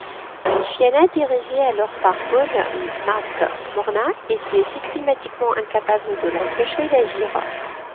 Les Fianna, dirigés alors par Goll mac Morna, étaient systématiquement incapables de l'empêcher d'agir.